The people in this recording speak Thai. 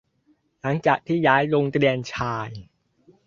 หลังจากที่ย้ายโรงเรียนชาย